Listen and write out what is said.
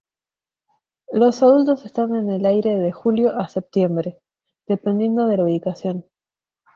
Los adultos están en el aire de julio a septiembre, dependiendo de la ubicación.